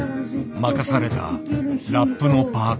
任されたラップのパート。